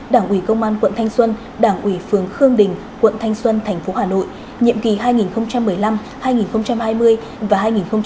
đảng ủy công an quận thanh xuân đảng ủy phường khương đình quận thanh xuân tp hà nội nhiệm kỳ hai nghìn một mươi năm hai nghìn hai mươi và hai nghìn hai mươi hai nghìn hai mươi năm